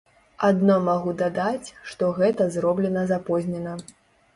Адно магу дадаць, што гэта зроблена запознена.